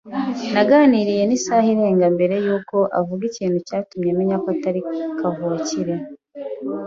Naganiriye na isaha irenga mbere yuko avuga ikintu cyatumye menya ko atari kavukire.